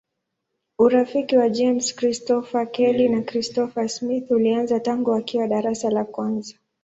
Urafiki wa James Christopher Kelly na Christopher Smith ulianza tangu wakiwa darasa la kwanza.